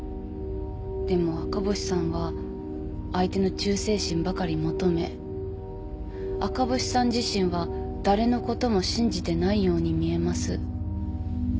でも赤星さんは相手の忠誠心ばかり求め赤星さん自身は誰のことも信じてないように見えます。